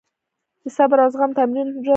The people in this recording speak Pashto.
د صبر او زغم تمرین ژوند ښه کوي.